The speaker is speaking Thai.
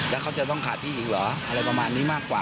แล้วเขาจะต้องขาดพี่อีกเหรออะไรประมาณนี้มากกว่า